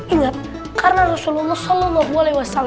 ingat karena rasulullah saw